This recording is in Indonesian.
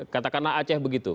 katakanlah aceh begitu